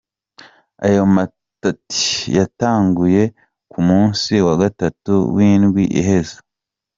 Ayo matati yatanguye ku musi wa gatatu w'indwi iheze.